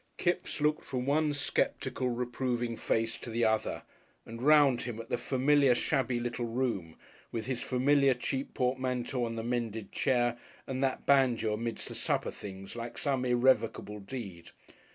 Kipps looked from one sceptical, reproving face to the other, and round him at the familiar shabby, little room, with his familiar cheap portmanteau on the mended chair, and that banjo amidst the supper things like some irrevocable deed.